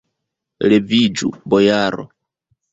Leviĝu, bojaro!